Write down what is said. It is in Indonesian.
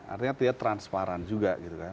artinya dia transparan juga gitu kan